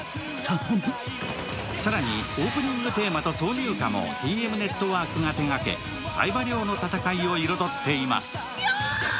更にオープニングテーマと挿入歌もＴＭＮＥＴＷＯＲＫが手がけ冴羽りょうの戦いを彩っています。